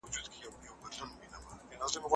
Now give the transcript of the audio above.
سياستپوهنه د حکومتونو نيمګړتياوي په ګوته کوي.